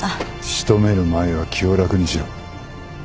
仕留める前は気を楽にしろ。